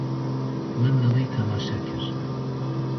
Min li wî temaşe kir.